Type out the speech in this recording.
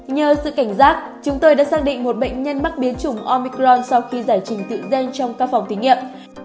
nhờ sự cảnh giác chúng tôi đã xác định một bệnh nhân mắc biến chủng omicron sau khi giải trình tự gen trong các phòng thí nghiệm